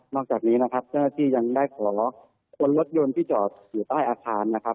นอกจากนี้นะครับท่านอาทิตยังได้ขอข้นรถยนต์ที่เจาะอยู่ใต้อาคารนะครับ